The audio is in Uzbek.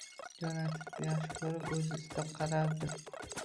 Joni achib, yaxshi ko'rib, o'zi istab qarardi.